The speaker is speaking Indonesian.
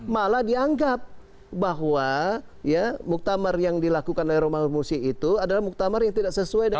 malah dianggap bahwa muktamar yang dilakukan oleh romahur musi itu adalah muktamar yang tidak sesuai dengan